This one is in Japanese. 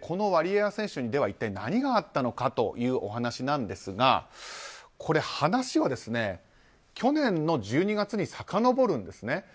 このワリエワ選手に一体何があったのかというお話なんですが話は去年の１２月にさかのぼるんですね。